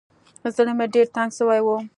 زړه مې ډېر تنګ سوى و.